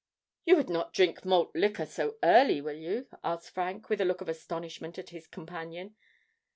"You would not drink malt liquor so early, will you?" asked Frank, with a look of astonishment at his companion.